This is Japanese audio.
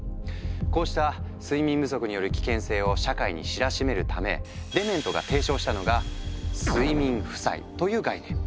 こうした睡眠不足による危険性を社会に知らしめるためデメントが提唱したのが「睡眠負債」という概念。